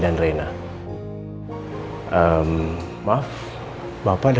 makasih ya saya ber appeal ni